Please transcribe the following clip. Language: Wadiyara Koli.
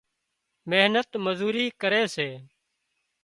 محنت مزوري ڪري سي